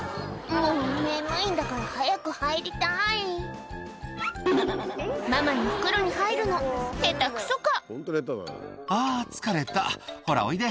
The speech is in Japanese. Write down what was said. もう眠いんだから早く入りたい」ママの袋に入るのヘタくそか⁉「あぁ疲れたほらおいで」